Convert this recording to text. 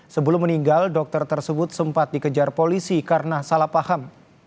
sebelum meninggal dokter tersebut sempat dikejar polisi karena salah paham